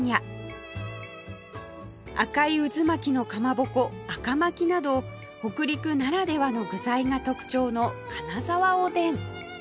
赤い渦巻きのかまぼこ赤巻など北陸ならではの具材が特徴の金沢おでん